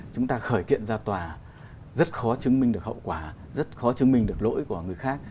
chúng ta khởi kiện ra tòa rất khó chứng minh được hậu quả rất khó chứng minh được lỗi của người khác